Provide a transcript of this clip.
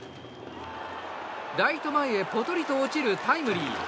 ライト前へポトリと落ちるタイムリー。